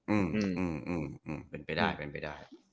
อืมเป็นไปได้เป็นไปได้